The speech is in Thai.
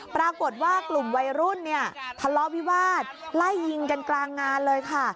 ปรากฏว่ากลุ่มวัยรุ่นเนี่ยทะเลาะวิวาสไล่ยิงกันกลางงานเลยค่ะ